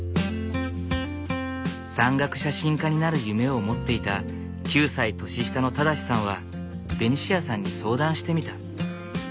山岳写真家になる夢を持っていた９歳年下の正さんはベニシアさんに相談してみた。